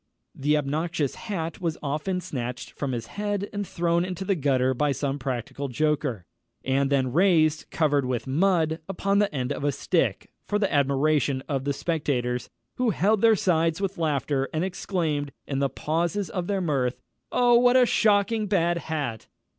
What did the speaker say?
The obnoxious hat was often snatched from his head and thrown into the gutter by some practical joker, and then raised, covered with mud, upon the end of a stick, for the admiration of the spectators, who held their sides with laughter, and exclaimed, in the pauses of their mirth, "_Oh, what a shocking bad hat!